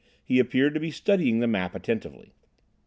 He appeared to be studying the map attentively.